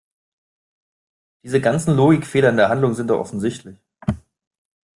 Diese ganzen Logikfehler in der Handlung sind doch offensichtlich!